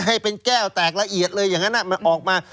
ให้เป็นแก้วแตกละเอียดเลยอย่างนั้นมันออกมา